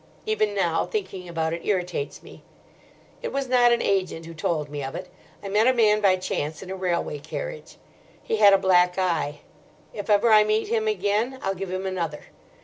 Even now, thinking about it irritates me. It was not an agent who told me of it. I met a man by chance in a railway carriage. He had a black eye. If ever I meet him again I'll give him another.